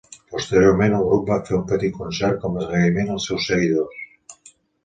Posteriorment, el grup va fer un petit concert com a agraïment als seus seguidors.